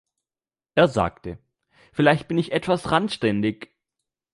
Er sagte: "Vielleicht bin ich etwas randständig.